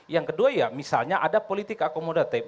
yang kedua ya misalnya ada politik akomodatif